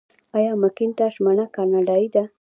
آیا مکینټاش مڼه کاناډايي نه ده؟